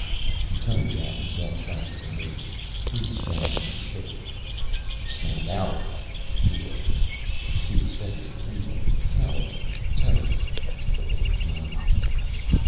He turned around and walked back to the native, reached down and shook it. "Snap out of it," he ordered. He expected pleading, cowering, terror, but there was none.